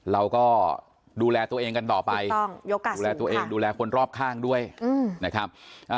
เราก็ดูแลตัวเองกันต่อไปติดต้องยกกะสูงค่ะดูแลตัวเองดูแลคนรอบข้างด้วยอืมนะครับ